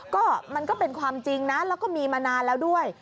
ก็มันก็เป็นความจริงนะแล้วก็มีมานานแล้วด้วย